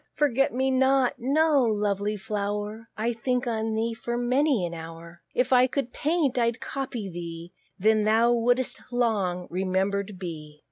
"Forget me not:" no, lovely flow'r, I'll think on thee for many an hour: If I could paint, I'd copy thee; Then thou wouldst long remember'd be.